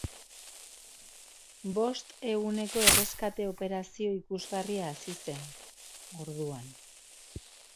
Bost eguneko erreskate operazio ikusgarria hasi zen, orduan.